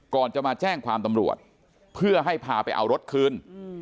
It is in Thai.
ก่อนจะมาแจ้งความตำรวจเพื่อให้พาไปเอารถคืน